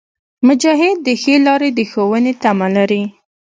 مجاهد د ښې لارې د ښوونې تمه لري.